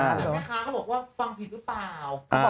แต่แม่ค้าเขาบอกว่าฟังผิดหรือเปล่า